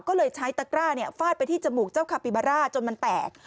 ก็เลยใช้ตะกร้าฟาดไปที่จมูกเจ้าคาปิบาร่าจนมันแตก